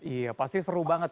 iya pasti seru banget